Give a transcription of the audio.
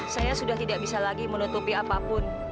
saya sudah tidak bisa lagi menutupi apapun